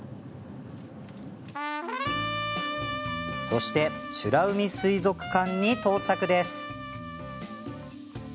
そして、美ら海水族館に到着です。